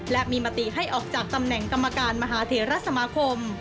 และมีมติให้ออกจากตำแหน่งกรรมการมหาเทรสมาคม